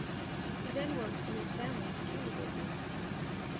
He then worked in his family's candy business.